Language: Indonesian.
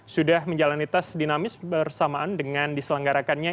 sudah menjalani tes dinamis bersamaan dengan diselenggarakannya